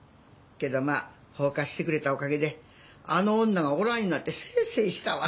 けどまぁ放火してくれたおかげであの女がおらんようになってせいせいしたわ。